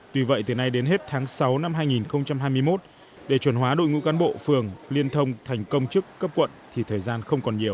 tuy vậy từ nay đến hết tháng sáu năm hai nghìn hai mươi một để chuẩn hóa đội ngũ cán bộ phường liên thông thành công chức cấp quận thì thời gian không còn nhiều